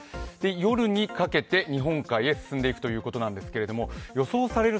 夜にかけて日本海へ進んでいくということなんですけど予想される